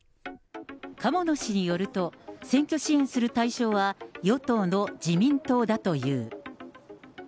鴨野氏によると、選挙支援する対象は、与党の自民党だという。